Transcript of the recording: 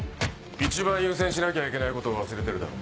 一番優先しなきゃいけないことを忘れてるだろ。